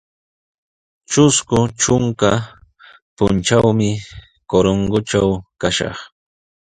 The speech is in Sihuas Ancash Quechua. Trusku trunka puntrawmi Corongotraw kashaq.